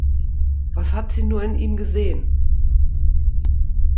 Was hat sie nur in ihm gesehen?